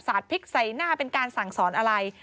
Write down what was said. พริกใส่หน้าเป็นการสั่งสอนอะไร